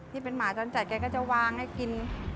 ที่เป็นหมาจรจัดแกก็จะวางให้กิน